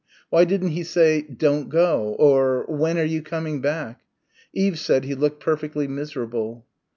Why didn't he say "Don't go" or "When are you coming back?" Eve said he looked perfectly miserable.